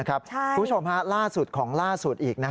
คุณผู้ชมล่าสุดของล่าสุดอีก